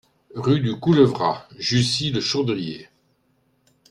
Rue du Coulevra, Jussy-le-Chaudrier